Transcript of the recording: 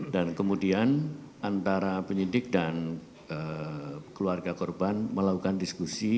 dan kemudian antara penyidik dan keluarga korban melakukan diskusi